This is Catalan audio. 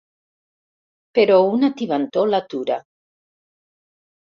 Però una tibantor l'atura.